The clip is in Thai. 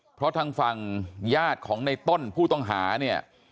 เพราะทางฝั่งญาติของในต้นผู้ต้องหาเนี่ย